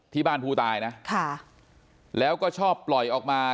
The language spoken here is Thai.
ที่บ้านผู้ตายนะค่ะแล้วก็ชอบปล่อยออกมา